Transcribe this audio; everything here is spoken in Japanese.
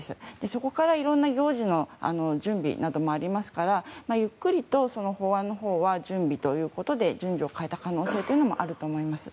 そこからいろんな行事の準備などもありますからゆっくりと法案のほうは準備ということで順序を変えた可能性もあると思います。